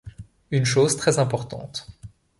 Une chose très importante.